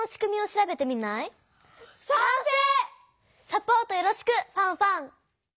サポートよろしくファンファン！